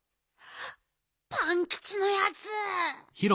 パンキチのやつ！